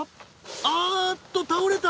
あっと倒れた！